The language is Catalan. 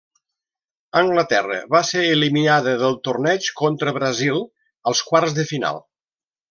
Anglaterra va ser eliminada del torneig contra Brasil, als quarts de final.